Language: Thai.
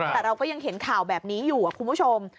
แต่เราก็ยังเห็นข่าวแบบนี้อยู่คุณผู้ชม